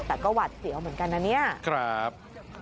แต่ก็หวัดเสียวเหมือนกันนะเนี่ยครับ